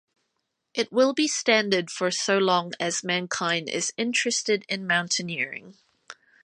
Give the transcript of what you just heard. It will be standard for so long as mankind is interested in mountaineering.